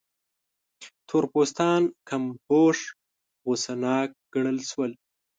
تور پوستان کم هوښ، غوسه ناک ګڼل شول.